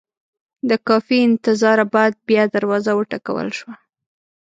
د کافي انتظاره بعد بیا دروازه وټکول شوه.